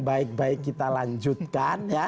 baik baik kita lanjutkan ya